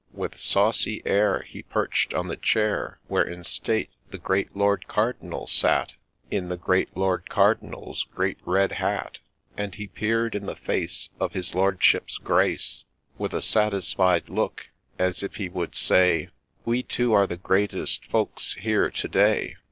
With saucy air, He perch'd on the chair Where, in state, the great Lord Cardinal sat In the great Lord Cardinal's great red hat ; And he peer'd in the face Of his Lordship's Grace, With a satisfied look, as if he would say, ' We two are the greatest folks here to day